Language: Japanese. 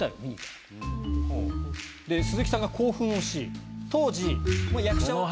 鈴木さんが興奮をし当時役者を。